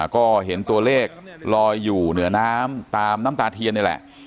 ก็เห็นตัวเลขลอยอยู่เหนือน้ำตามน้ำตาเทียนนี่แหละ